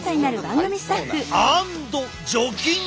アンド除菌！